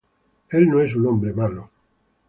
Él no es un hombre malo".